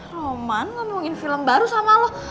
roman ngomongin film baru sama lo